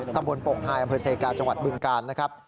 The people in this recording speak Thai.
ตำบลโป่งไฮอำเภอเซกาจังหวัดบึงกาลนะครับ